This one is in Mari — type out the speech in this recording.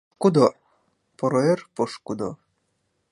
Поро эр, пошкудо!